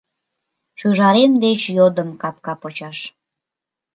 Шӱжарем деч йодым капка почаш